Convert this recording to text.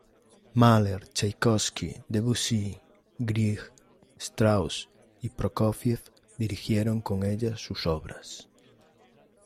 Mahler, Chaikovski, Debussy, Grieg, Strauss y Prokófiev dirigieron con ella sus obras.